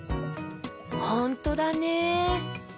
ほんとだね。